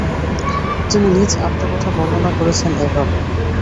তিনি নিজ আত্মকথা বর্ণনা করেছেন এভাবে-